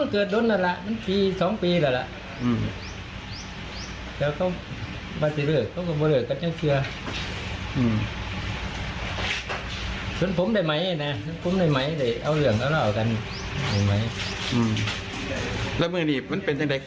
จุดเกิดเหตุจุดได้แล้วเงียบเหตุผลโอภสูรทร